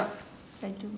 大丈夫？